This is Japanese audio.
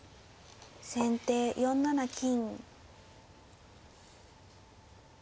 先手４七金。